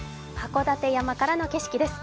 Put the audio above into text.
函館山からの景色です。